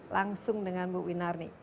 langsung dengan bu winarni